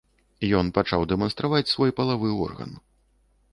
Ён пачаў дэманстраваць свой палавы орган.